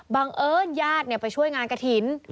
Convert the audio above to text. เอิญญาติไปช่วยงานกระถิ่น